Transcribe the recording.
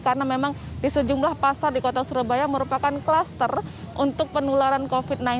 karena memang di sejumlah pasar di kota surabaya merupakan kluster untuk penularan covid sembilan belas